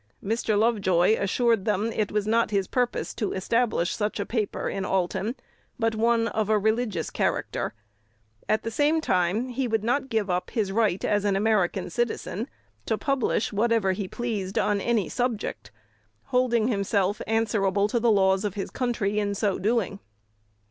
Mr. Lovejoy assured them it was not his purpose to establish such a paper in Alton, but one of a religious character: at the same time he would not give up his right as an American citizen to publish whatever he pleased on any subject, holding himself answerable to the laws of his country in so doing.